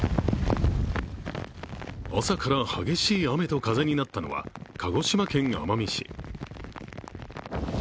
朝から激しい雨と風になったのは鹿児島県奄美市。